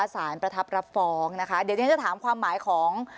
ประทับรับฟ้องนะคะเดี๋ยวฉันจะถามความหมายของ